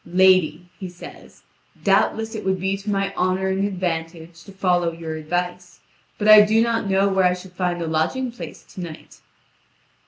"Lady," he says, "doubtless it would be to my honour and advantage to follow your advice; but I do not know where I should find a lodging place to night."